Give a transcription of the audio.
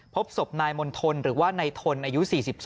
พบศพนายมณฑลหรือว่านายทนอายุ๔๒